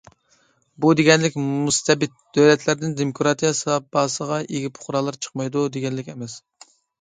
بۇ دېگەنلىك، مۇستەبىت دۆلەتلەردىن دېموكراتىيە ساپاسىغا ئىگە پۇقرالار چىقمايدۇ، دېگەنلىك ئەمەس.